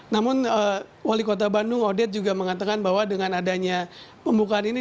namun wali kota bandung odet juga mengatakan bahwa dengan adanya pembukaan ini